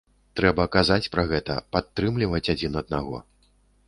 Трэба казаць пра гэта, падтрымліваць адзін аднаго.